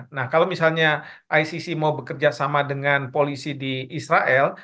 nah kalau misalnya icc mau bekerja sama dengan polisi di israel